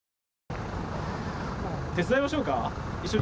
手伝いましょうか、一緒に。